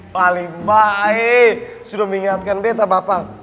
paling baik sudah mengingatkan beta bapak